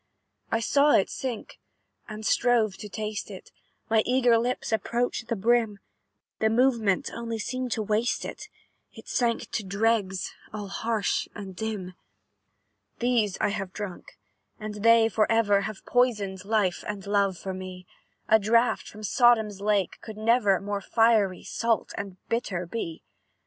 "I saw it sink, and strove to taste it, My eager lips approached the brim; The movement only seemed to waste it; It sank to dregs, all harsh and dim. "These I have drunk, and they for ever Have poisoned life and love for me; A draught from Sodom's lake could never More fiery, salt, and bitter, be.